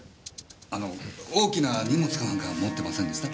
あの大きな荷物か何か持ってませんでした？